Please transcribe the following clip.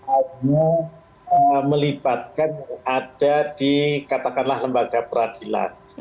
hanya melibatkan ada di katakanlah lembaga peradilan